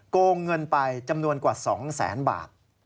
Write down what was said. โกงเงินไปจำนวนกว่า๒แสนบาท